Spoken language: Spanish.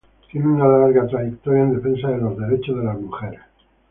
Tiene una larga trayectoria en defensa de los derechos de las mujeres.